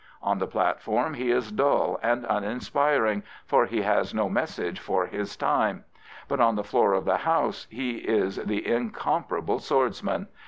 On the platform he is dull and uninspiring, for he has no message for his time; but on the floor of the House he is the incomparable swordsman.